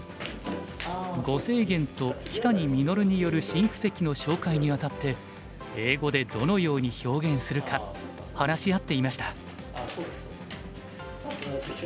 呉清源と木谷實による新布石の紹介にあたって英語でどのように表現するか話し合っていました。